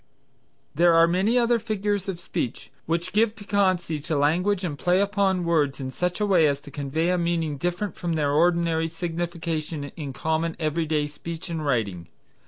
There are many other figures of speech which give piquancy to language and play upon words in such a way as to convey a meaning different from their ordinary signification in common every day speech and writing.